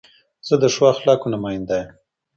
زه د ښو اخلاقو نماینده یم.